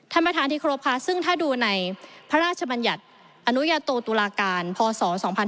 ท่านประธานที่ครบค่ะซึ่งถ้าดูในพระราชบัญญัติอนุญาโตตุลาการพศ๒๕๕๙